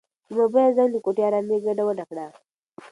د موبایل زنګ د کوټې ارامي ګډوډه کړه.